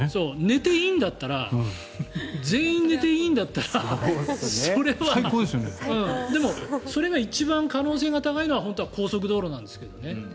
寝ていいんだったら全員寝ていいんだったらでもそれが一番可能性が高いのは本当は高速道路なんですけどね。